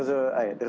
ada beberapa hal kan